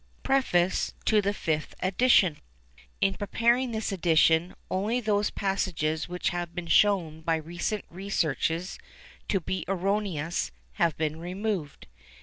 PREFACE TO THE FIFTH EDITION. In preparing this edition, only those passages which have been shown by recent researches to be erroneous have been removed.